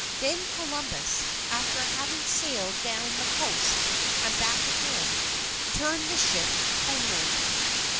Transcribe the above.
Then Columbus, after having sailed down the coast and back again, turned the ships homeward.